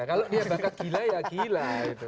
kalau dia bakat gila ya gila